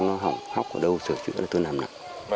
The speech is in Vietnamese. nó hóc ở đâu sửa chữa tôi nằm lại